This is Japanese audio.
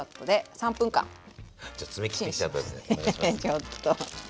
ちょっと。